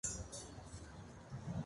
Así, fue nombrado Teniente general.